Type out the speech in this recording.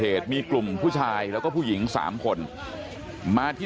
แล้วป้าไปติดหัวมันเมื่อกี้แล้วป้าไปติดหัวมันเมื่อกี้